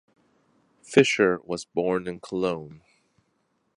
Fisher was born in Cologne.